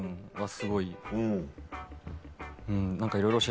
すごい。